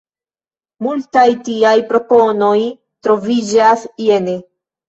Multaj tiaj proponoj troviĝas jene.